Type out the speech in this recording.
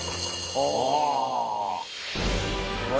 お。